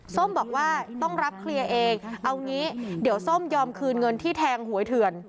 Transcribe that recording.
ส้มบอกว่าต้องรับเคลียร์เองเอางี้เดี๋ยวส้มยอมคืนเงินที่แทงหวยเถื่อน